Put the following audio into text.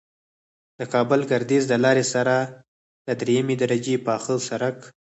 د کابل گردیز د لارې سره د دریمې درجې پاخه سرک